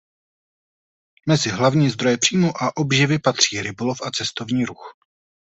Mezi hlavní zdroje příjmu a obživy patří rybolov a cestovní ruch.